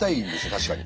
確かに。